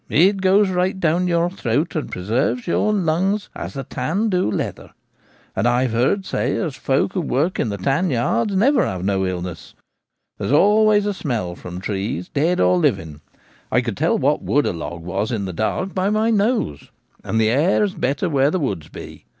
It goes right down your throat, and pre serves your lungs as the tan do leather. And I've heard say as folk who work in the tan yards never have no illness. There's always a smell from trees, Theory of Health. 1 5 dead or living — I could tell what wood a log was in the dark by my nose ; and the air is better where the woods be.